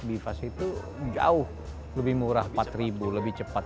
bifas itu jauh lebih murah empat ribu lebih cepat